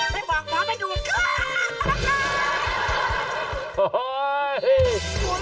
ไปบอกหมอมาดูดขึ้น